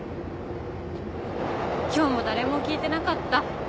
今日も誰も聴いてなかった。